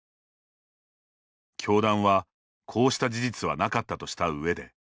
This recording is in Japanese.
教団は、こうした事実はなかったとした上で。